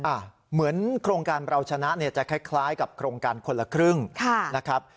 เหมือนโครงการเราชนะเนี่ยจะคล้ายกับโครงการคนละครึ่งนะครับ